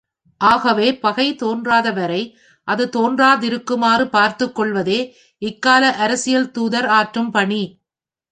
ஆகவே, பகை தோன்றாத வரை அது தோன்றாதிருக்குமாறு பார்த்துக்கொள்வதே இக்கால அரசியல் தூதர் ஆற்றும் பணி.